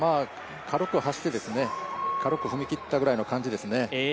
軽く走って、軽く踏み切ったぐらいの感じですね。